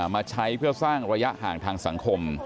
มาใช้เพื่อสร้างระยะห่างทางสังคม